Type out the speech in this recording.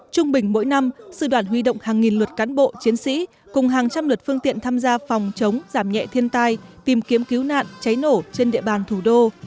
trung bình mỗi năm sư đoàn huy động hàng nghìn lượt cán bộ chiến sĩ cùng hàng trăm lượt phương tiện tham gia phòng chống giảm nhẹ thiên tai tìm kiếm cứu nạn cháy nổ trên địa bàn thủ đô